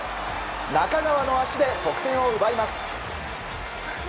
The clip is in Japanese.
中川の足で得点を奪います。